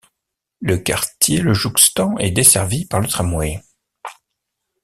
Le quartier le jouxtant est desservi par le tramway.